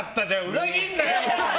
裏切るなよ！